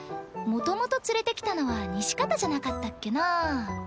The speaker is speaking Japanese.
もともと連れてきたのは西片じゃなかったっけなぁ。